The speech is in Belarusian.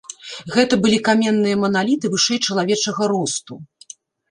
Гэта былі каменныя маналіты вышэй чалавечага росту.